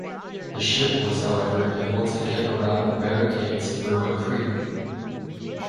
The ship was however able to get around the barricades through a creek.